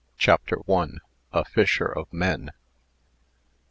CHAPTER I. A FISHER OF MEN.